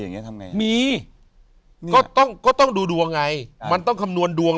อย่างนี้ทำไงมีก็ต้องก็ต้องดูดวงไงมันต้องคำนวณดวง